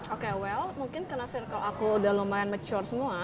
oke well mungkin karena circle aku udah lumayan mature semua